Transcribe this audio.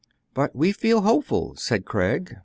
" But we feel hopeful, said Craig.